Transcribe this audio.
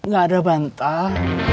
gak ada bantal